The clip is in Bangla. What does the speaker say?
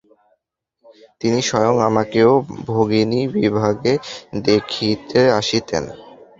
তিনি স্বয়ং আমাকে ও ভগিনী বিভাকে দেখিতে আসিতেন।